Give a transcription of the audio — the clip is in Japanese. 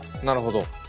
なるほど。